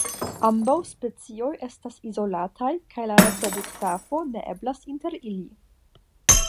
Ambaŭ specioj estas izolataj kaj la reproduktafo ne eblas inter ili.